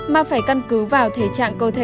mà phải căn cứ vào thể trạng cơ thể